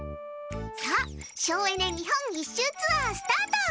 さあ、省エネ日本一周ツアースタート！